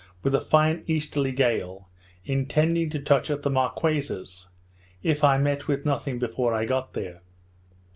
with a fine easterly gale, intending to touch at the Marquesas, if I met with nothing before I got there.